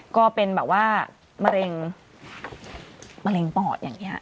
ก็เป็นแบบว่ามะเร็งปอดอย่างนี้